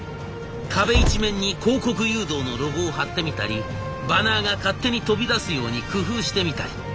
壁一面に広告誘導のロゴを貼ってみたりバナーが勝手に飛び出すように工夫してみたり。